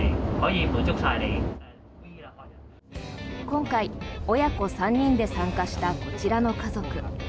今回、親子３人で参加したこちらの家族。